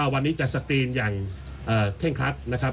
วันนี้จะสกรีนอย่างเคร่งครัดนะครับ